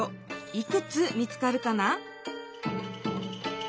いくつ見つかるかな？